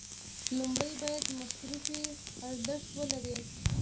لومړی باید مصرفي ارزښت ولري.